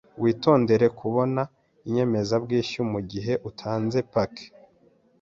Witondere kubona inyemezabwishyu mugihe utanze paki.